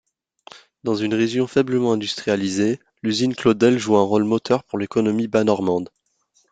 Dans une région faiblement industrialisée, l’usine Claudel joue un rôle moteur pour l’économie bas-normande.